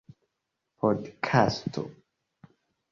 podkasto